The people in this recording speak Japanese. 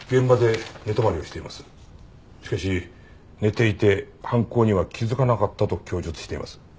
しかし寝ていて犯行には気づかなかったと供述しています。